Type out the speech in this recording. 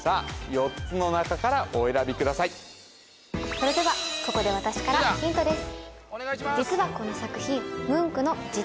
それではここで私からヒントです